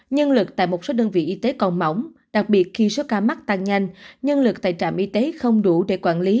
nhân lực tại một số đơn vị y tế còn mỏng đặc biệt khi số ca mắc tăng nhanh nhân lực tại trạm y tế không đủ để quản lý